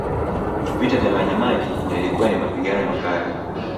Vita vya Maji Maji yalikuwa ni mapigano makali